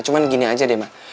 cuman gini aja deh ma